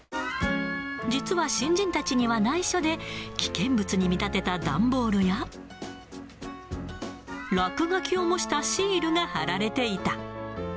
実は新人たちにはないしょで、危険物に見立てた段ボールや落書きを模したシールが貼られていた。